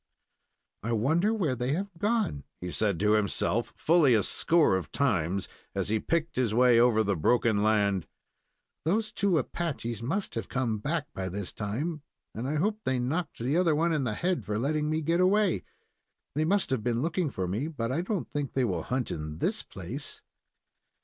"I wonder where they have gone?" he said to himself fully a score of times, as he picked his way over the broken land. "Those two Apaches must have come back by this time, and I hope they knocked the other one in the head for letting me get away. They must have been looking for me, but I don't think they will hunt in this place."